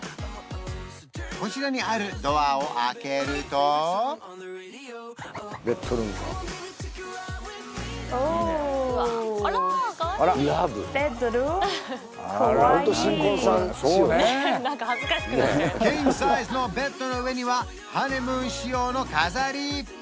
こちらにあるドアを開けるとおおキングサイズのベッドの上にはハネムーン仕様の飾り